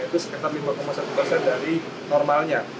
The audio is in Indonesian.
itu sekitar lima satu persen dari normalnya